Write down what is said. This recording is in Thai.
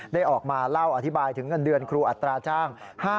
ได้ออกมาเล่าอธิบายถึงเงินเดือนครูอัตราจ้าง